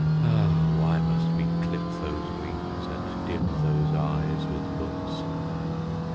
Ah! why must we clip those wings and dim those eyes with books?